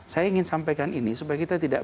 saya ingin sampaikan ini supaya kita tidak